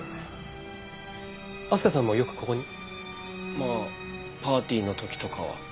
まあパーティーの時とかは。